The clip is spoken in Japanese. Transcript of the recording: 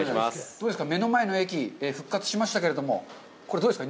どうですか、目の前の駅、復活しましたけれども、これ、どうですか。